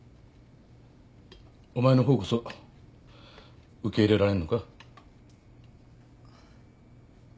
お前の方こそ受け入れられんのか？